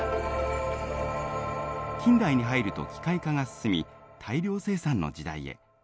近代に入ると機械化が進み大量生産の時代へ。